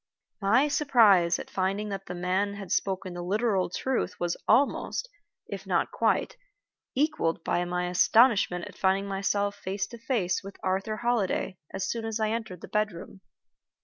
My surprise at finding that the man had spoken the literal truth was almost, if not quite, equaled by my astonishment at finding myself face to face with Arthur Holliday as soon as I entered the bedroom.